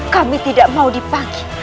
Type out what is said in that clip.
kami tidak mau dipanggil